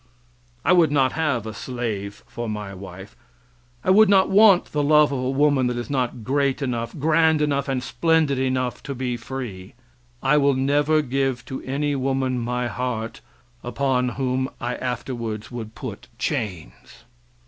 I would not have a slave for my wife. I would not want the love of a woman that is not great enough, grand enough, and splendid enough to be free. I will never give to any woman my heart upon whom I afterwards would put chains.